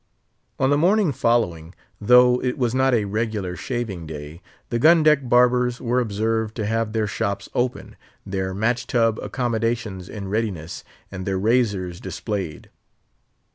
On the morning following, though it was not a regular shaving day, the gun deck barbers were observed to have their shops open, their match tub accommodations in readiness, and their razors displayed.